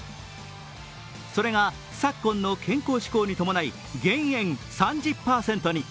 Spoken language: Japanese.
それが昨今の健康志向に伴い、減塩３０％に。